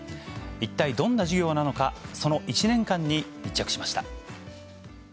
一体どんな授業なのか、その１年間に密着しました。